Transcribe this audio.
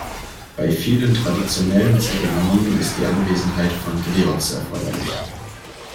Bei vielen traditionellen Zeremonien ist die Anwesenheit von Griots erforderlich.